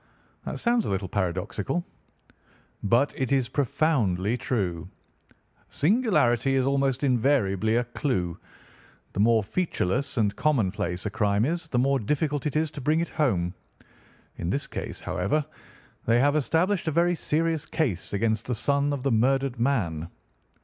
"That sounds a little paradoxical." "But it is profoundly true. Singularity is almost invariably a clue. The more featureless and commonplace a crime is, the more difficult it is to bring it home. In this case, however, they have established a very serious case against the son of the murdered man."